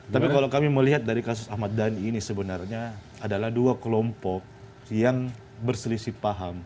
tapi kalau kami melihat dari kasus ahmad dhani ini sebenarnya adalah dua kelompok yang berselisih paham